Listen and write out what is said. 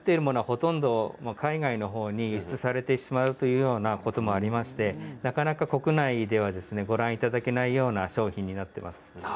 ほとんどは海外の方に輸出されてしまうというようなこともありますのでなかなか国内ではご覧いただけないような商品になっています。